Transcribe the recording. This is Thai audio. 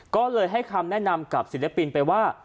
ก็เลยให้คำแนะนำกับศิลปินไปว่า